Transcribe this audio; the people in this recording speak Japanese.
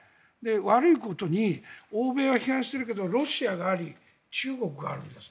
悪いことに欧米は批判してるけどロシアがあり中国があるんです。